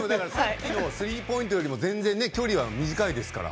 スリーポイントよりも全然距離は短いですから。